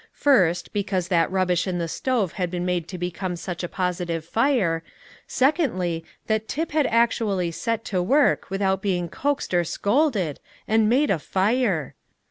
First, because that rubbish in the stove had been made to become such a positive fire; secondly, that Tip had actually set to work without being coaxed or scolded, and made a fire!